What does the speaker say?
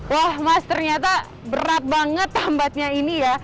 wah mas ternyata berat banget tambatnya ini ya